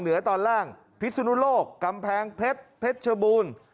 เหนือตอนล่างพิสุนุโลกกำแพงเพชรเพชรชบูรณ์